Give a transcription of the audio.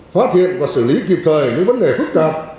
phát hiện và xử lý kịp thời những vấn đề phức tạp